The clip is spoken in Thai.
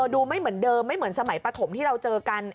ดูไม่เหมือนเดิมไม่เหมือนสมัยปฐมที่เราเจอกัน